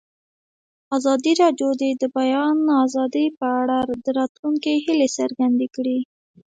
ازادي راډیو د د بیان آزادي په اړه د راتلونکي هیلې څرګندې کړې.